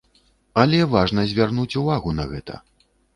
Але важна звярнуць увагу на гэта.